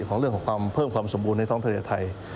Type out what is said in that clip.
เรื่องของความเพิ่มความสมบูรณ์ในท้องทะเลไทย